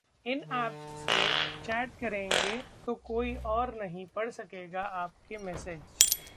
इन Apps से chat करेंगे तो कोई और नहीं पढ़ सकेगा आपके मैसेज